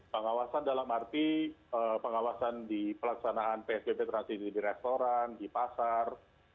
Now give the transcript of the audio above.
pengawasan dalam arti pengawasan di pelaksanaan psbb transisi di restoran di pasar